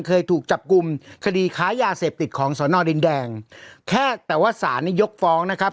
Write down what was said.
เคยถูกจับกลุ่มคดีค้ายาเสพติดของสอนอดินแดงแค่แต่ว่าศาลนี่ยกฟ้องนะครับ